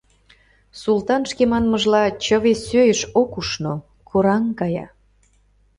Султан, шке манмыжла, чыве сӧйыш ок ушно, кораҥ кая.